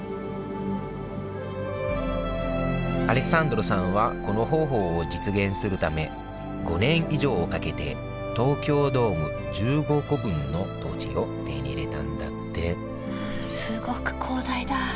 アレッサンドロさんはこの方法を実現するため５年以上をかけて東京ドーム１５個分の土地を手に入れたんだってすごく広大だ！